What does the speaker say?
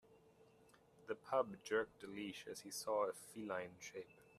The pup jerked the leash as he saw a feline shape.